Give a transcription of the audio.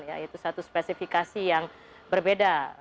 yaitu satu spesifikasi yang berbeda